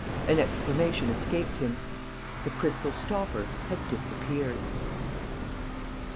An exclamation escaped him. The crystal stopper had disappeared....